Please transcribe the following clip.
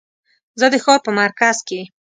زه د ښار په مرکز کې